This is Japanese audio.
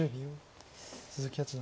鈴木八段